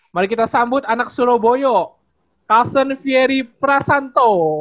mari kita sambut anak surabaya kalsen fieri prasanto